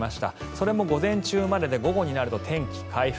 それも午前中までで午後になると天気回復。